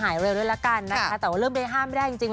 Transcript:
หายเร็วด้วยละกันนะคะแต่ว่าเริ่มไปห้ามไม่ได้จริง